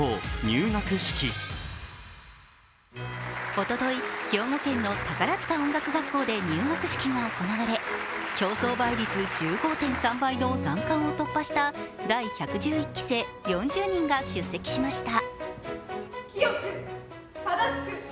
おととい、兵庫県の宝塚音楽学校で入学式が行われ、競争倍率１５．３倍の難関を突破した第１１１期生、４０人が出席しました。